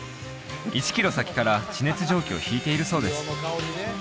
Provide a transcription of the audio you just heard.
１キロ先から地熱蒸気を引いているそうです